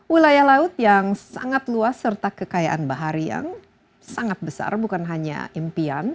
wilayah laut yang sangat luas serta kekayaan bahari yang sangat besar bukan hanya impian